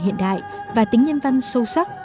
hiện đại và tính nhân văn sâu sắc